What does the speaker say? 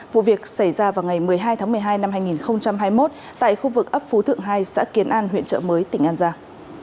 vụ việc xảy ra vào ngày một mươi hai tháng một mươi hai năm hai nghìn hai mươi một tại khu vực ấp phú thượng hai xã kiến an huyện trợ mới tỉnh an giang